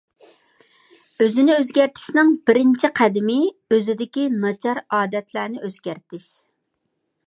ئۆزىنى ئۆزگەرتىشنىڭ بىرىنچى قەدىمى، ئۆزىدىكى ناچار ئادەتلەرنى ئۆزگەرتىش.